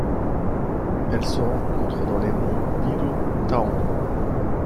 Elle se rencontre dans les monts Bilauktaung.